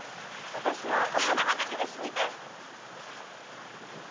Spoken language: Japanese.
私はお花畑で死にたい。